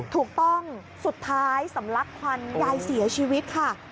ถูกต้องสุดท้ายสำลักควันยายเสียชีวิตค่ะ